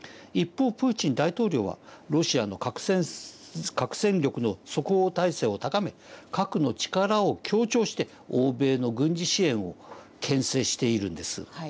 一方プーチン大統領はロシアの核戦力の即応体制を高め核の力を強調して欧米の軍事支援をけん制しているんです。